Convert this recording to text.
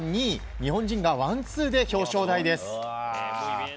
日本人がワンツーで入賞です。